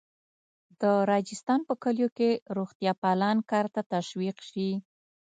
د راجستان په کلیو کې روغتیاپالان کار ته تشویق شي.